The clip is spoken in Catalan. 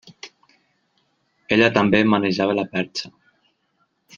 Ella també manejava la perxa.